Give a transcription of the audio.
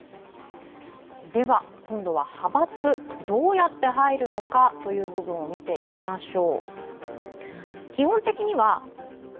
今度は派閥、どうやって入るのかという部分を見ていきましょう。